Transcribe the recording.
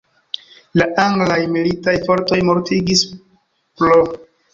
La anglaj militaj fortoj mortigis pr.